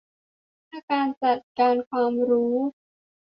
เพื่อการจัดการความรู้